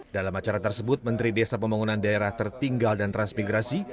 dalam acara tersebut menteri desa pembangunan daerah tertinggal dan transmigrasi